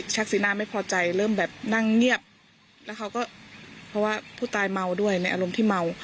สีหน้าไม่พอใจเริ่มแบบนั่งเงียบแล้วเขาก็เพราะว่าผู้ตายเมาด้วยในอารมณ์ที่เมา